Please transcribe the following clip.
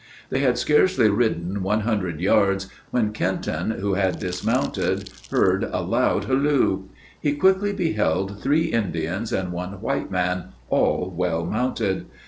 They had scarcely ridden one hundred yards when Kenton, who had dismounted, heard a loud halloo. He quickly beheld three Indians and one white man, all well mounted.